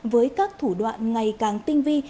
với các thủ đoạn ngày càng tinh vi